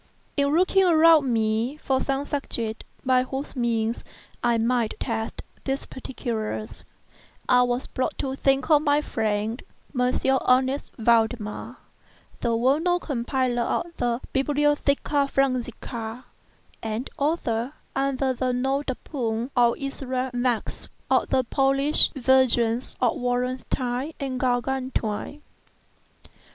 In looking around me for some subject by whose means I might test these particulars, I was brought to think of my friend, M. Ernest Valdemar, the well known compiler of the "Bibliotheca Forensica," and author (under the nom de plume of Issachar Marx) of the Polish versions of "Wallenstein" and "Gargantua." M.